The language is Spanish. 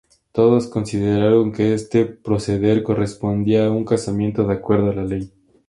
Todos consideraron que este proceder correspondía a un casamiento de acuerdo a la ley.